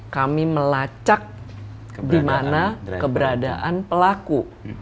kami melacak di mana keberadaan pelaku